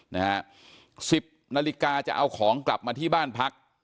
นาฬิกาจะเอาของกลับมาที่บ้านพัก